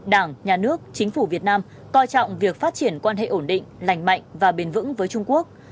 đảng nhà nước chính phủ việt nam coi trọng việc phát triển quan hệ ổn định lành mạnh và bền vững với trung quốc